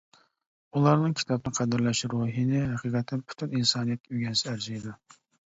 ئۇلارنىڭ كىتابنى قەدىرلەش روھىنى ھەقىقەتەن پۈتۈن ئىنسانىيەت ئۆگەنسە ئەرزىيدۇ.